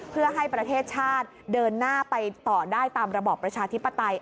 เพื่อให้ประเทศชาติเดินหน้าไปต่อได้ตามระบอบประชาธิปไตย